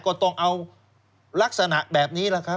ก็ต้องเอาลักษณะแบบนี้แหละครับ